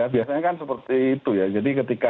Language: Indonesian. biasanya kan seperti itu ya